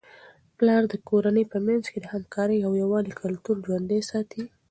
پلار د کورنی په منځ کي د همکارۍ او یووالي کلتور ژوندۍ ساتي.